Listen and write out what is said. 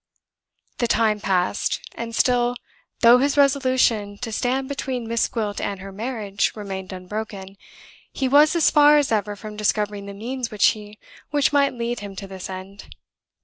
The time passed; and still, though his resolution to stand between Miss Gwilt and her marriage remained unbroken, he was as far as ever from discovering the means which might lead him to his end.